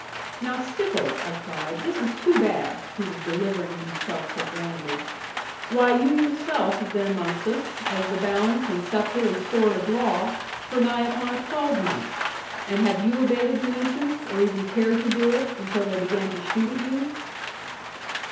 'Now, Stickles,' I cried, 'this is too bad!' he was delivering himself so grandly. 'Why you yourself have been amongst us, as the balance, and sceptre, and sword of law, for nigh upon a twelvemonth; and have you abated the nuisance, or even cared to do it, until they began to shoot at you?'